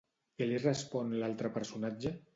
Què li respon l'altre personatge?